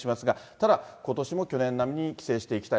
ただ、ことしも去年並みに規制していきたい。